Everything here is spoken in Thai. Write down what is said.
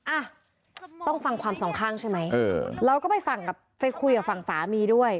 อ่ะต้องฟังความสองข้างใช่ไหมเออเราก็ไปฟังกับไปคุยกับฝั่งสามีด้วย